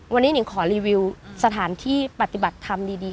วันนี้หนิงขอรีวิวสถานที่ปฏิบัติธรรมดี